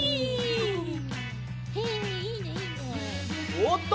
おおっと！